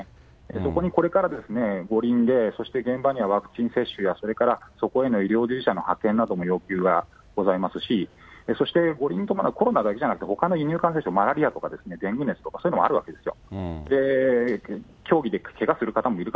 そこにこれから五輪で、現場にはワクチン接種やそれからそこへの医療従事者の派遣などの要求がございますし、そして五輪とまだコロナだけじゃなくて、ほかのかんせんしょう、マラリアとかデング熱とか、そういうのもあるわけですよ。